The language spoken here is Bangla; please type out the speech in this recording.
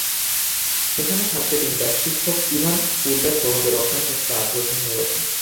সেখানে থাকতে তিনি তার শিক্ষক ইভান কুরিয়ার প্রভাবে রসায়ন শাস্ত্রে আগ্রহী হয়ে ওঠেন।